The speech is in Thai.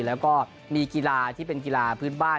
แล้วก็มีกีฬาที่เป็นกีฬาพื้นบ้าน